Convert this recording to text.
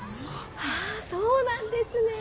ああそうなんですね。